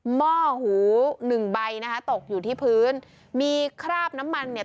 หม้อหูหนึ่งใบนะคะตกอยู่ที่พื้นมีคราบน้ำมันเนี่ย